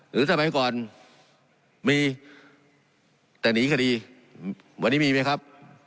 สมัยก่อนมีแต่หนีคดีวันนี้มีไหมครับ